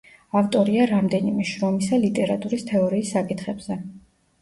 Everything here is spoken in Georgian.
ავტორია რამდენიმე შრომისა ლიტერატურის თეორიის საკითხებზე.